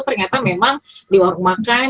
ternyata memang di warung makan